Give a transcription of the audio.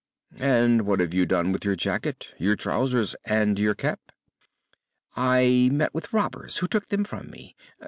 "And what have you done with your jacket, your trousers, and your cap?" "I met with robbers, who took them from me.